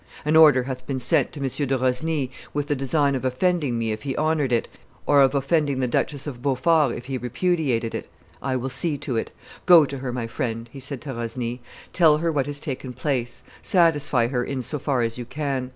An order hath been sent to M. de Rosny, with the design of offending me if he honored it, or of offending the Duchess of Beaufort if he repudiated it. I will see to it. Go to her, my friend," he said to Rosny; "tell her what has taken place; satisfy her in so far as you can.